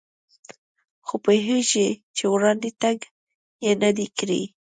خو پوهېږي چې وړاندې تګ یې نه دی کړی.